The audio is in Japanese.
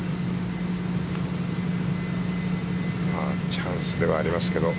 チャンスではありますけど。